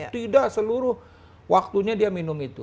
tidak seluruh waktunya dia minum itu